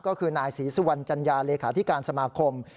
ก็คือนายศรีสุวรรณจัญญาเลขาธิการสมาคม